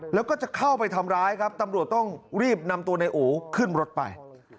แล้วก็จะเข้าไปทำร้ายครับตำรวจต้องรีบนำตัวในอู๋ขึ้นรถไป